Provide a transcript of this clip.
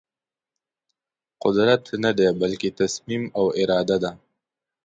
قدرت ندی بلکې تصمیم او اراده ده.